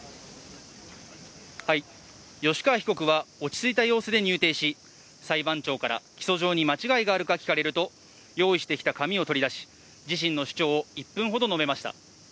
吉川被告は落ち着いた様子で入廷し、裁判長から、起訴状に間違いがあるか聞かれると、用意してきた紙を取り出し、自身の主張を１分ほど述べました。